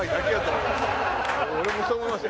俺もそう思いますよ。